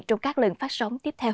trong các lần phát sóng tiếp theo